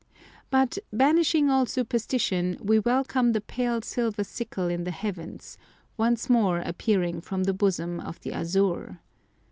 But, banishing all superstition, we welcome the pale silver sickle in the heavens, once more appearing from the bosom of the azure.